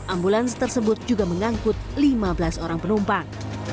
ambulans tersebut juga mengangkut lima belas orang penumpang